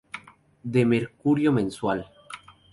De Mercurio mensual.